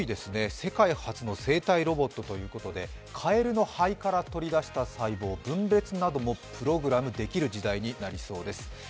世界初の生体ロボットということでかえるの肺から取り出した細胞、分裂などもプログラムできる時代になりそうです。